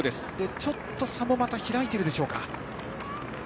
ちょっと差もまた開いているでしょうか。